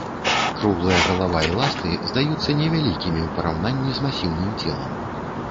Круглая галава і ласты здаюцца невялікімі ў параўнанні з масіўным целам.